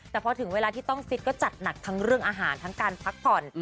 แต่พอถึงเวลาที่ต้องฟิตก็จัดหนักทั้งเรื่องอาหารทั้งการพักผ่อน